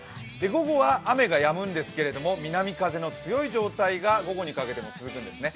午後は雨がやむんですが南風の強い状態が午後にかけても続くんですね。